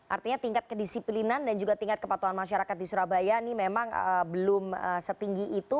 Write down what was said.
artinya tingkat kedisiplinan dan juga tingkat kepatuhan masyarakat di surabaya ini memang belum setinggi itu